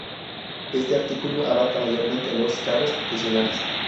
Este artículo abarca mayormente los carros profesionales.